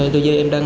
thế giới em đang